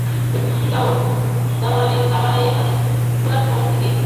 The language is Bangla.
দাওরায়ে হাদিস খোলার পর থেকে শায়খুল হাদিস পদে দায়িত্ব পালন করেছেন আশরাফ আলী।